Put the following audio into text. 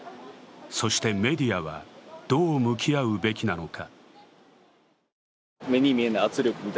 そしてメディアは、どう向き合うべきなのか。